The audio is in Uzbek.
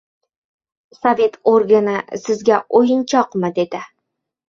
— Sovet organi sizga o‘yinchoqmi? — dedi.